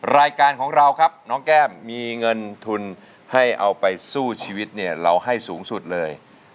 รายการของเราครับน้องแก้มมีเงินทุนให้เอาไปสู้ชีวิตเนี่ยเราให้สูงสุดเลย